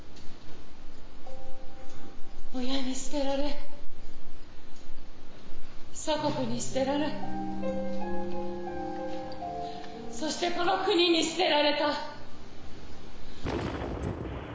親に捨てられ祖国に捨てられそしてこの国に捨てられた。